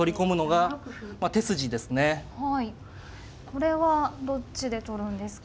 これはどっちで取るんですか。